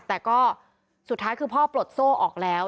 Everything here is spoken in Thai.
แต่ก็สุดท้ายคือพ่อปลดโซ่ออกแล้ว